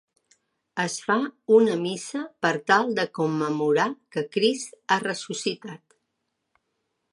Es fa una missa per tal de commemorar que Crist ha ressuscitat.